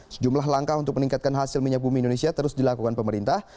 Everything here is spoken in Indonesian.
sejumlah langkah untuk meningkatkan hasil minyak bumi indonesia terus dilakukan pemerintah